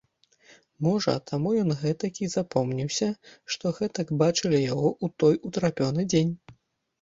Можа, таму ён гэтакі запомніўся, што гэтак бачылі яго ў той утрапёны дзень.